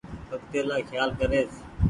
آگتيلآ کيال ڪريس۔